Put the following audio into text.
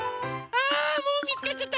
あもうみつかっちゃった。